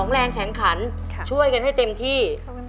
แรงแข็งขันช่วยกันให้เต็มที่